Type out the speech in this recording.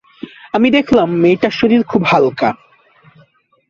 আমি দেখলাম মেয়েটার শরীর খুব হালকা।